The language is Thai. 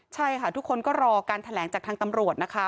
ใช่ค่ะทุกคนก็รอการแถลงจากทางตำรวจนะคะ